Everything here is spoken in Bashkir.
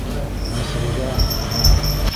Мәсрүрә ғәр.